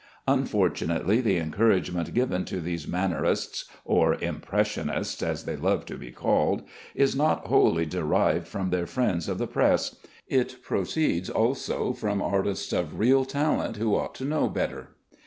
Unfortunately the encouragement given to these mannerists (or "impressionists" as they love to be called) is not wholly derived from their friends of the press; it proceeds also from artists of real talent who ought to know better.